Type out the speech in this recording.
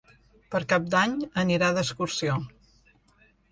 Per Cap d'Any anirà d'excursió.